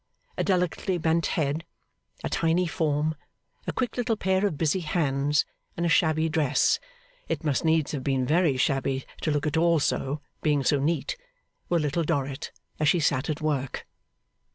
A delicately bent head, a tiny form, a quick little pair of busy hands, and a shabby dress it must needs have been very shabby to look at all so, being so neat were Little Dorrit as she sat at work.